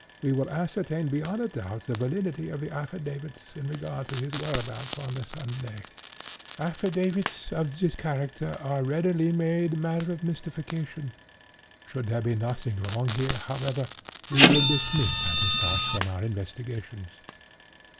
We will ascertain beyond a doubt the validity of the affidavits in regard to his whereabouts on the Sunday. Affidavits of this character are readily made matter of mystification. Should there be nothing wrong here, however, we will dismiss St. Eustache from our investigations.